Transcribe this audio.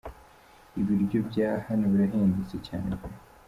Ibiryo byahano birahendutse cyane pee!